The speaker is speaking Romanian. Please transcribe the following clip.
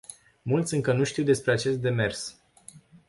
Mulți încă nu știu despre acest demers.